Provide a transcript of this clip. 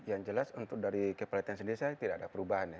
yang jelas untuk dari kepelatihan sendiri saya tidak ada perubahan ya